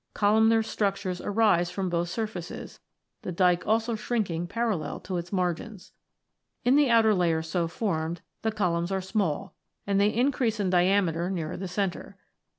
Columnar structures arise from v] IGNEOUS ROCKS 119 both surfaces, the dyke also shrinking parallel to its margins. In the outer layers so formed, the columns are small, and they increase in diameter nearer the centre.